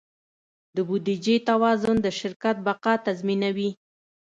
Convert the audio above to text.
د بودیجې توازن د شرکت بقا تضمینوي.